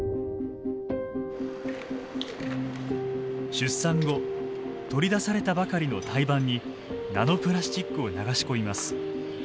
出産後取り出されたばかりの胎盤にナノプラスチックを流し込みます。